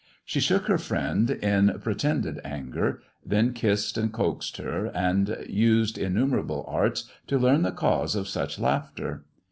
She shook her friend in pretended anger, then kissed and coaxed her, and used innumerable arts to learn the cause of such laughter.